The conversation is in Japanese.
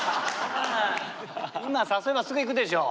今誘えばすぐ行くでしょ。